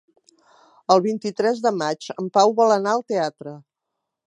El vint-i-tres de maig en Pau vol anar al teatre.